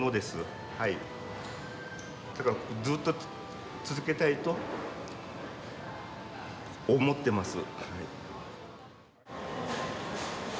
だからずっと続けたいと思ってます。